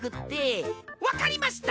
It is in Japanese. わかりました！